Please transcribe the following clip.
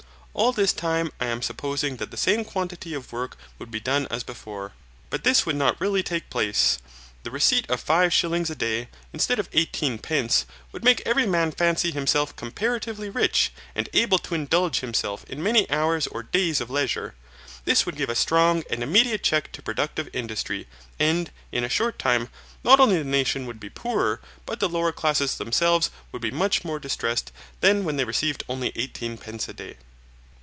All this time I am supposing that the same quantity of work would be done as before. But this would not really take place. The receipt of five shillings a day, instead of eighteen pence, would make every man fancy himself comparatively rich and able to indulge himself in many hours or days of leisure. This would give a strong and immediate check to productive industry, and, in a short time, not only the nation would be poorer, but the lower classes themselves would be much more distressed than when they received only eighteen pence a day.